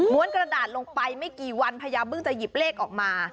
กระดาษลงไปไม่กี่วันพญาบึ้งจะหยิบเลขออกมา